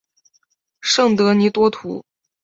圣德尼多图。